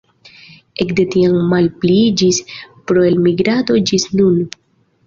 Ekde tiam malpliiĝis pro elmigrado ĝis nun.